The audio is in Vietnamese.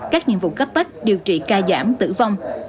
các nhiệm vụ cấp bách điều trị ca giảm tử vong